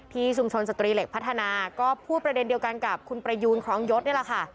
ชุมชนสตรีเหล็กพัฒนาก็พูดประเด็นเดียวกันกับคุณประยูนครองยศนี่แหละค่ะ